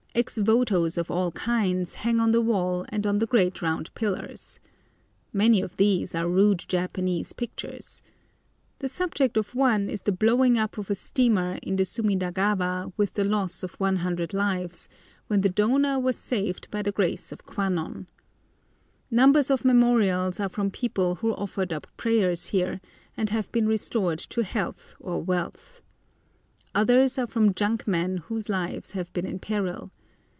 Ex votos of all kinds hang on the wall and on the great round pillars. Many of these are rude Japanese pictures. The subject of one is the blowing up of a steamer in the Sumidagawa with the loss of 100 lives, when the donor was saved by the grace of Kwan non. Numbers of memorials are from people who offered up prayers here, and have been restored to health or wealth. Others are from junk men whose lives have been in peril.